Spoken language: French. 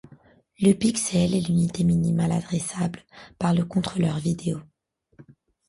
Le pixel est l'unité minimale adressable par le contrôleur vidéo.